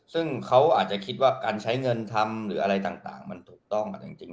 ซึ่งเขาอาจจะคิดว่าการใช้เงินทำหรืออะไรต่างมันถูกต้องจริง